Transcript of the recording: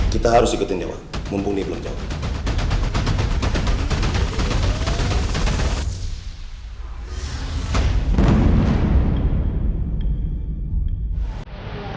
kita harus ikutin dewa membunuhi belum jauh